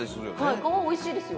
高橋：皮、おいしいですよ。